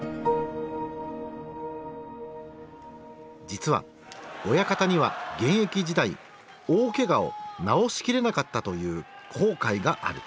実は親方には現役時代大けがを治しきれなかったという後悔がある。